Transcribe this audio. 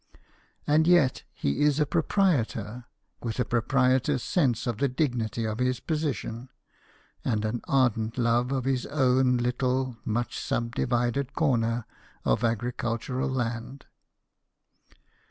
And yet, he is a proprietor, with a proprietor's sense of the dignity of his position, and an ardent love of his own little much subdivided corner of agricultural land.